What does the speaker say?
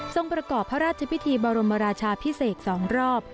ประกอบพระราชพิธีบรมราชาพิเศษ๒รอบ